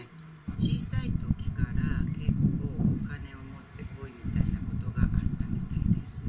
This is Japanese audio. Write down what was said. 小さいときから、結構お金を持ってこいみたいなのはあったみたいです。